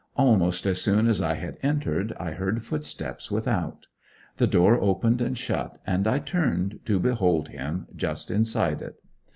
Almost as soon as I had entered I heard footsteps without. The door opened and shut, and I turned to behold him just inside it.